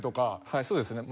はいそうですね。